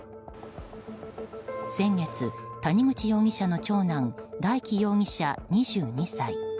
先月、谷口容疑者の長男大祈容疑者、２２歳